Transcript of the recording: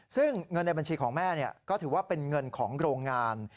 ซึ่งเงินในบัญชีของแม่ก็ถือว่าเป็นเงินของโรงงาน